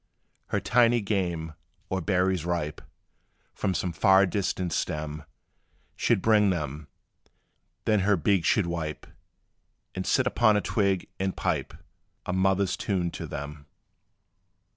Her tiny game, or berries ripe From some far distant stem She 'd bring them; then her beak she 'd wipe, And sit upon a twig, and pipe A mother's tune to them.